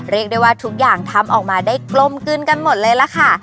เรียกได้ว่าทุกอย่างทำออกมาได้กลมกลืนกันหมดเลยล่ะค่ะ